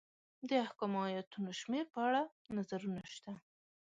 د احکامو ایتونو شمېر په اړه نظرونه شته.